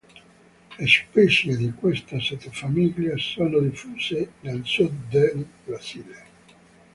Le specie di questa sottofamiglia sono diffuse nel sud del Brasile.